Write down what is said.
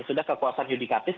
sudah kekuasaan yudikatif